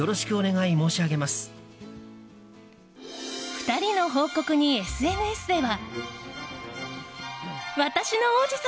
２人の報告にＳＮＳでは。